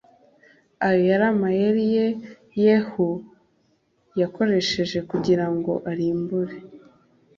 ayo yari amayeri e Yehu yakoresheje kugira ngo arimbure